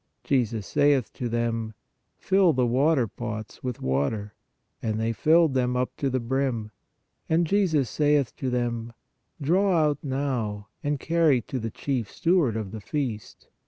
Jesus saith to them : Fill the waterpots with water. And they filled them up to the brim. And Jesus saith to them: Draw out now, and carry to the chief steward of the feast.